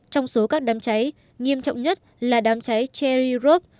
trong số các đám cháy nghiêm trọng nhất là đám cháy cherry rov